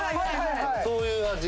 そういう味